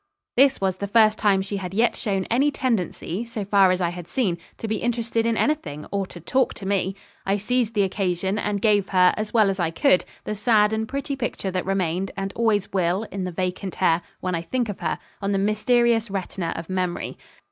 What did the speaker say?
This was the first time she had yet shown any tendency, so far as I had seen, to be interested in anything, or to talk to me. I seized the occasion, and gave her, as well as I could, the sad and pretty picture that remained, and always will, in the vacant air, when I think of her, on the mysterious retina of memory.